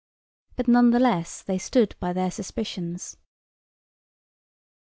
But nonetheless they stood by their suspicions.